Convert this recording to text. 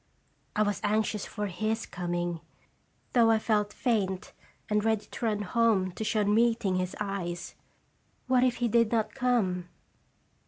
I was anxious for his coming, though I felt faint and ready to run home to shun meeting his eyes. What if he did not come